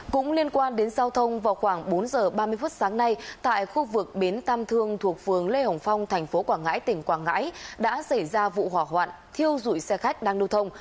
cũng liên quan đến giao thông vào khoảng bốn giờ ba mươi phút sáng nay tại khu vực bến tam thương thuộc phường lê hồng phong thành phố quảng ngãi tỉnh quảng ngãi đã xảy ra vụ hỏa hoạn thiêu dụi xe khách đang lưu thông